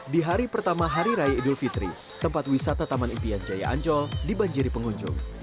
di hari pertama hari raya idul fitri tempat wisata taman impian jaya ancol dibanjiri pengunjung